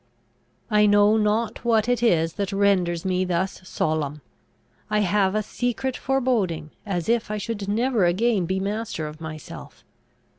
I know not what it is that renders me thus solemn. I have a secret foreboding, as if I should never again be master of myself.